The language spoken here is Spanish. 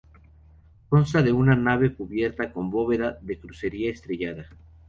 Consta de una única nave cubierta con bóveda de crucería estrellada.